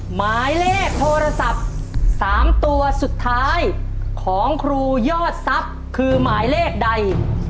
หมายเลขโทรศัพท์๓ตัวสุดท้ายของครูยอดทรัพย์คือหมายเลขใด